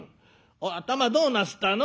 「頭どうなすったの？」。